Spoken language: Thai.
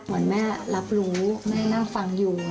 เหมือนแม่รับรู้แม่นั่งฟังอยู่